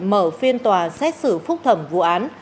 mở phiên tòa xét xử phúc thẩm vụ án